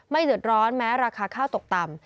ไม่หยุดร้อนแม้ราคาข้าวตกต่ำ